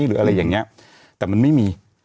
หรืออะไรอย่างนี้แต่มันไม่มี